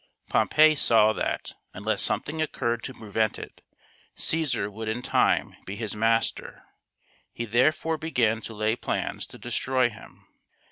Pompey saw that, unless something occurred to prevent it, Ceesar would in time be his master. He therefore began to lay plans to destroy him.